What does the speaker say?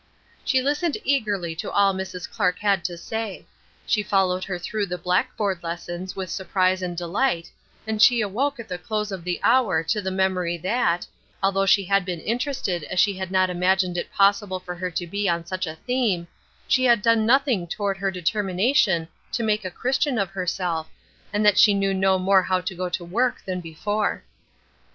She listened eagerly to all Mrs. Clark had to say; she followed her through the blackboard lessons with surprise and delight, and she awoke at the close of the hour to the memory that, although she had been interested as she had not imagined it possible for her to be on such a theme, she had done nothing toward her determination to make a Christian of herself, and that she knew no more how to go to work than before.